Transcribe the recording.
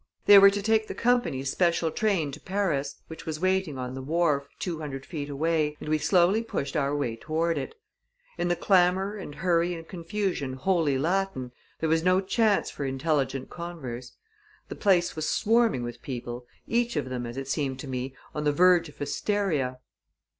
They were to take the company's special train to Paris, which was waiting on the wharf, two hundred feet away, and we slowly pushed our way toward it. In the clamor and hurry and confusion wholly Latin, there was no chance for intelligent converse. The place was swarming with people, each of them, as it seemed to me, on the verge of hysteria.